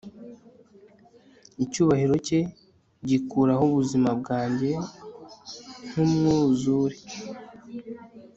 icyubahiro cye gikuraho ubuzima bwanjye nkumwuzure